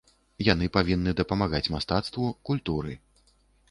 Яны павінны дапамагаць мастацтву, культуры.